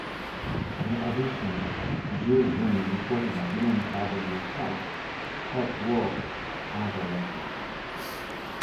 In addition, Jules Remy reported that William W. Phelps helped work out the letters.